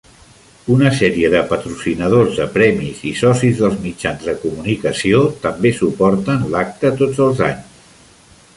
Una sèrie de patrocinadors de premis i socis dels mitjans de comunicació també suporten l'acte tots els anys.